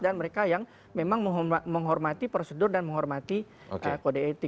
dan mereka yang memang menghormati prosedur dan menghormati proses